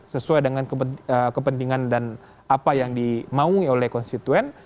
sesuai dengan kepentingan dan apa yang dimaungi oleh konstituen